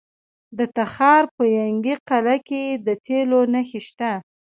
د تخار په ینګي قلعه کې د تیلو نښې شته.